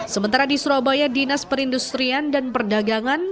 sementara di surabaya dinas perindustrian dan perdagangan